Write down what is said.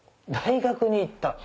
大学に行った？